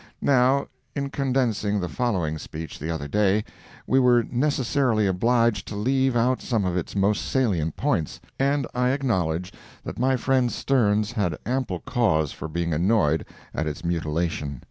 Now, in condensing the following speech, the other day, we were necessarily obliged to leave out some of its most salient points, and I acknowledge that my friend Sterns had ample cause for being annoyed at its mutilation.